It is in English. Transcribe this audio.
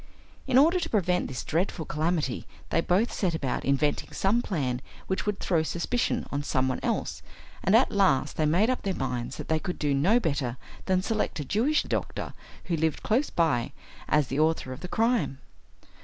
In order to prevent this dreadful calamity they both set about inventing some plan which would throw suspicion on some one else, and at last they made up their minds that they could do no better than select a Jewish doctor who lived close by as the author of the crime.